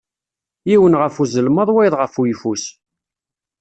Yiwen ɣef uẓelmaḍ wayeḍ ɣef uyeffus.